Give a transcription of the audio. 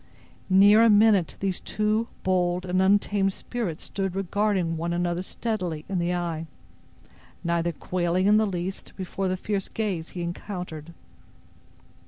Near a minute these two bold and untamed spirits stood regarding one another steadily in the eye, neither quailing in the least before the fierce gaze he encountered.